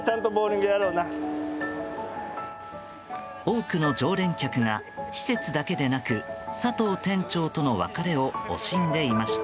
多くの常連客が施設だけではなく佐藤店長との別れを惜しんでいました。